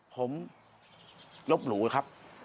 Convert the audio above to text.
ผมลบหลู่ครับ